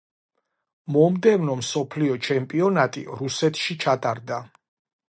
მომდევნო მსოფლიო ჩემპიონატი რუსეთში ჩატარდება.